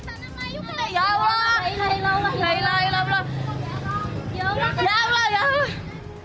ya allah alhamdulillah ya allah